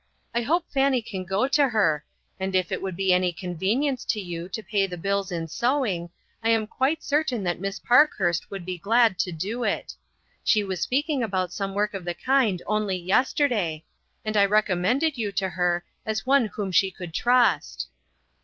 I hope Fanny can go to her, and if it would be any convenience to you to pay the bills in sewing, I am quite certain that Miss Parkhurst would be glad AN OPEN DOOR. 57 to do it. She was speaking about some work of the kind only yesterday, and I rec ommended you to her as one whom she could trust."